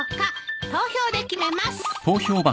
投票で決めます。